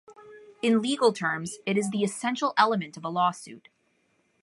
In legal terms, it is the essential element of a lawsuit.